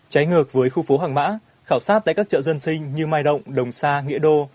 trái ngược với khu phố hàng mã khảo sát tại các chợ dân sinh như mai động đồng sa nghĩa đô